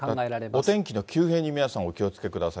お天気の急変に皆さん、お気をつけください。